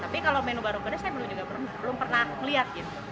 tapi kalau menu baru saya belum pernah melihat gitu